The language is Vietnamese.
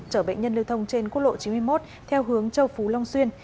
trở bệnh nhân lưu thông trên cốt lộ chín mươi một theo hướng châu phú long xuyên